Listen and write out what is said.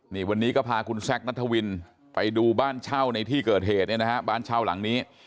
นี่วันนี้ก็พาคุณแซคนัทวินไปดูบ้านเช่าในที่เกิดเหตุเนี่ยนะฮะบ้านเช่าหลังนี้